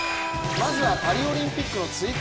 まずはパリオリンピックの追加